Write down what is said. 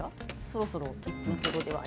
そろそろ。